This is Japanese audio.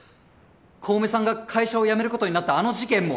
小梅さんが会社を辞めることになったあの事件も。